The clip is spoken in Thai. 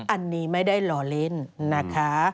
อันนี้ไม่ได้หล่อเล่นนะคะ